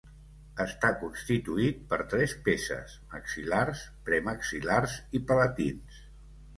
Està constituït per tres peces: maxil·lars, premaxil·lars i palatins.